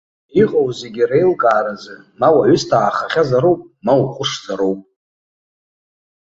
Иҟоу зегьы реилкааразы ма уаҩысҭаахахьазароуп, ма уҟәышзароуп.